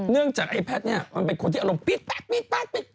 เนื่องจากไอ้แพทย์เนี่ยมันเป็นคนที่อารมณ์ปิ๊ดปั๊ดปิ๊ดปั๊ดปิ๊ด